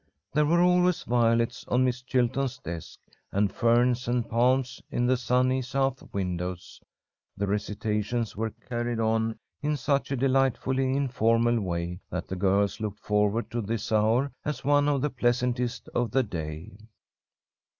There were always violets on Miss Chilton's desk, and ferns and palms in the sunny south windows. The recitations were carried on in such a delightfully informal way that the girls looked forward to this hour as one of the pleasantest of the day.